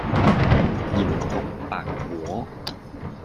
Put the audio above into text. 鹽焗白果